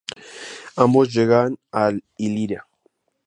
Ambos llegan a Iliria.